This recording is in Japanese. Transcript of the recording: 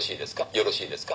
よろしいですか？」